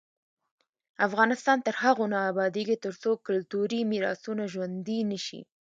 افغانستان تر هغو نه ابادیږي، ترڅو کلتوري میراثونه ژوندي نشي.